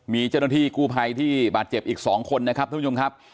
มีเจ้าหน้าที่กู้ภัยที่บาดเจ็บอีก๒คนนะครับท่านผู้ชมครับ